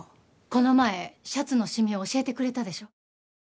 この前シャツのしみを教えてくれたでしょ